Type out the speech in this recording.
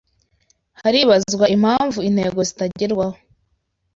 haribazwa impamvu intego zitagerwaho